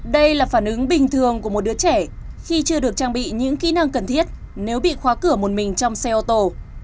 đây là phản ứng bình thường của một đứa trẻ khi chưa được trang bị những kỹ năng cần thiết nếu bị khóa cửa một mình trong xe ô tô